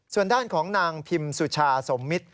ส่วนด้านของนางพิมสุชาสมมิตร